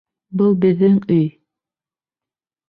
Был беҙҙең өй!